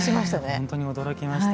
本当に驚きました。